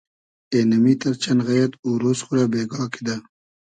اېنئمیتئر چئن غئیئد او رۉز خو رۂ بېگا کیدۂ